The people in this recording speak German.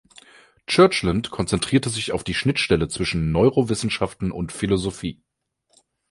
Churchland konzentrierte sich auf die Schnittstelle zwischen Neurowissenschaften und Philosophie.